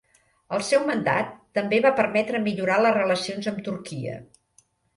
El seu mandat també va permetre millorar les relacions amb Turquia.